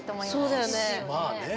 そうだよねえ。